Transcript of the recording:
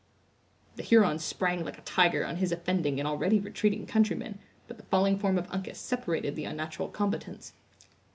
The Huron sprang like a tiger on his offending and already retreating country man, but the falling form of Uncas separated the unnatural combatants.